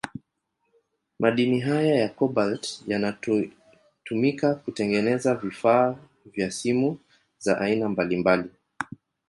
Madini haya ya Kobalt yanatuimika kutengeneza vifaa vya simu za aina mbalimbali